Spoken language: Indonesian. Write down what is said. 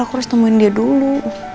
aku harus temuin dia dulu